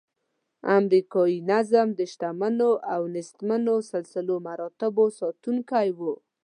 امریکایي نظم د شتمنو او نیستمنو سلسله مراتبو ساتونکی و.